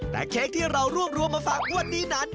แต่เค้กที่เรารวบรวมมาฝากงวดนี้นั้น